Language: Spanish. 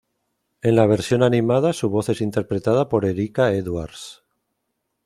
En la versión animada su voz es interpretada por Erica Edwards.